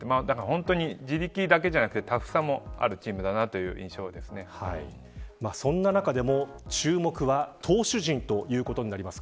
本当に自力だけでなくてタフさもあるチームだなそんな中でも注目は投手陣ということになります。